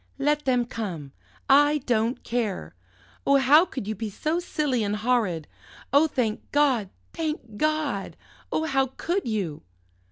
"Let them come, I don't care! Oh, how could you be so silly and horrid? Oh, thank God, thank God! Oh, how could you?"